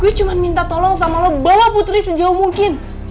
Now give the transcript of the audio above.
gue cuma minta tolong sama lo bawa putri sejauh mungkin